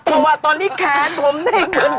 เพราะว่าตอนนี้แขนผมนี่